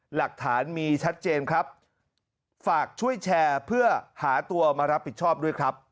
หลักฐานมีชัดเจนครับฝากช่วยแชร์เพื่อหาตัวมารับผิดชอบด้วยครับ